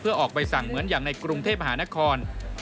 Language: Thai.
ออกใบสั่งเหมือนอย่างในกรุงเทพมหานคร